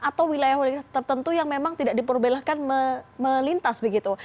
atau wilayah wilayah tertentu yang memang tidak diperbolehkan melintas begitu